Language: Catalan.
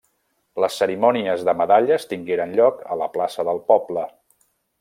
Les cerimònies de medalles tingueren lloc a la plaça del poble.